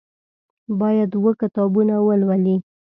باید اووه کتابونه ولولي.